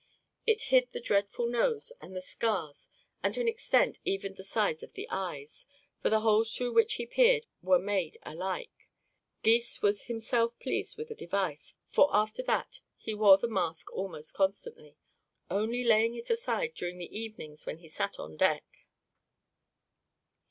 It hid the dreadful nose and the scars and to an extent evened the size of the eyes, for the holes through which he peered were made alike. Gys was himself pleased with the device, for after that he wore the mask almost constantly, only laying it aside during the evenings when he sat on deck.